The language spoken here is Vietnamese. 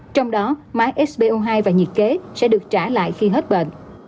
trong đó máy sbo hai và nhiệt kế sẽ được trả lại khi hết bệnh